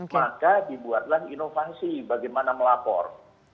maka dibuatlah inovasi bagaimana melapor